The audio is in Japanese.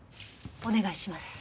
お願いします。